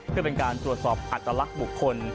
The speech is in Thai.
เพื่อเป็นการตรวจสอบอัตลักษณ์บุคคล